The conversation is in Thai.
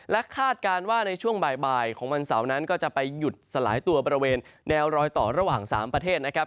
คาดการณ์ว่าในช่วงบ่ายของวันเสาร์นั้นก็จะไปหยุดสลายตัวบริเวณแนวรอยต่อระหว่าง๓ประเทศนะครับ